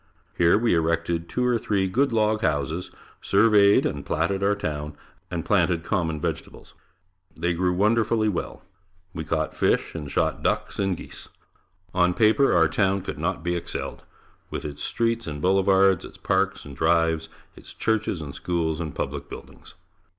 Here we erected two or three good log houses, surveyed and platted our town, and planted common vegetables. They grew wonderfully well. We caught fish and shot ducks and geese. On paper our town could not be excelled, with its streets and boulevards, its parks and drives, its churches and schools and public buildings.